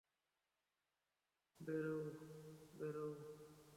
বেরোও, বেরোও!